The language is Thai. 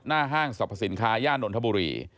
ห้างสรรพสินค้าย่านนทบุรี